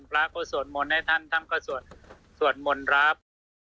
พระก็สวดมนต์ให้ท่านท่านก็สวดมนต์รับ